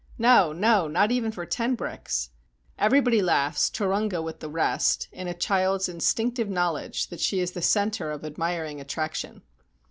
"No, no, not even for ten bricks!" Everybody laughs, Turunga with the rest, in a child's instinctive knowledge that she is the center of admiring attraction.